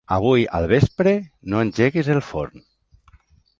Avui al vespre no engeguis el forn.